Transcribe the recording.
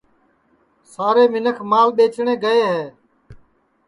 سارے منکھ مال ٻیجٹؔے گئے ہے